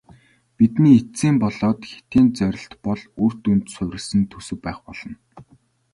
Бидний эцсийн болоод хэтийн зорилт бол үр дүнд суурилсан төсөв байх болно.